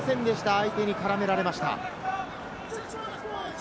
相手に絡められました。